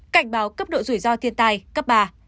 cảnh báo cấp độ rủi ro thiên tai cấp ba